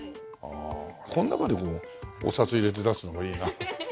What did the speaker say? この中にもうお札入れて出すのがいいな。